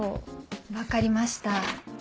分かりました。